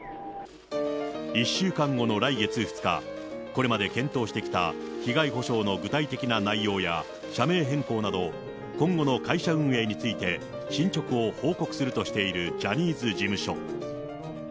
１週間後の来月２日、これまで検討してきた被害補償の具体的な内容や社名変更など、今後の会社運営について、進捗を報告するとしているジャニーズ事務所。